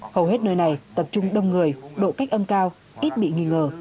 hầu hết nơi này tập trung đông người độ cách âm cao ít bị nghi ngờ